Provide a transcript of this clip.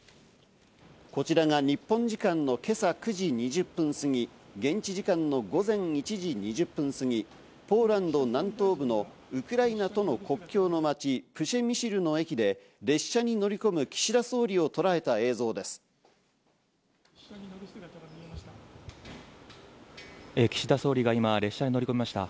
こちらが日本時間の今朝９時２０分すぎ、現地時間の午前１時２０分すぎ、ポーランド南東部のウクライナとの国境の町、プシェミシルの駅で列車に乗り込む岸田総理をとらえた列車に乗り込みました。